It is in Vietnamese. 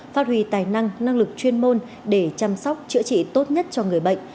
phát huy tài năng năng lực chuyên môn để chăm sóc chữa trị tốt nhất cho người bệnh